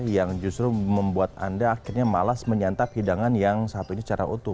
yang justru membuat anda akhirnya malas menyantap hidangan yang satu ini secara utuh